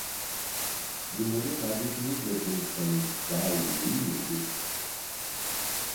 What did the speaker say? Bunları kardeşinizle konuşsanız daha iyi değil miydi?